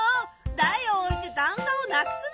台を置いて段差をなくすのか。